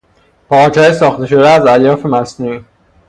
پارچههای ساخته شده از الیاف مصنوعی